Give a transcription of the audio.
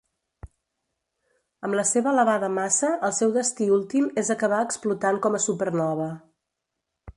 Amb la seva elevada massa, el seu destí últim és acabar explotant com a supernova.